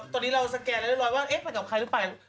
ตอนนี้ลาสแกนต์มาเลยว่าเอ๊ะไปกับใครหรือไป